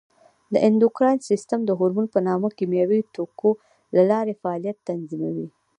د اندوکراین سیستم د هورمون په نامه کیمیاوي توکو له لارې فعالیت تنظیموي.